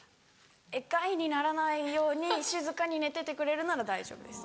害にならないように静かに寝ててくれるなら大丈夫です。